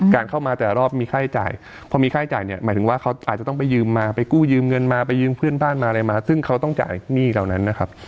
การเข้ามาแต่ละรอบมีค่าใช้จ่ายพอมีค่าใช้จ่ายเนี่ยหมายถึงว่าเขาอาจจะต้องไปยืมมาไปกู้ยืมเงินมาไปยืมเพื่อนบ้านมาอะไรมาซึ่งเขาต้องจ่ายหนี้เหล่านั้นนะครับ